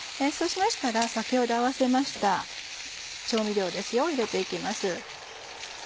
そうしましたら先ほど合わせました調味料を入れて行きます。